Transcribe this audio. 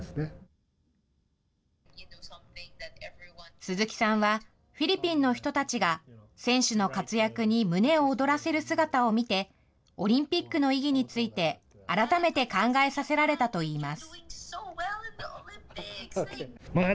鈴木さんは、フィリピンの人たちが選手の活躍に胸を躍らせる姿を見て、オリンピックの意義について、改めて考えさせられたといいます。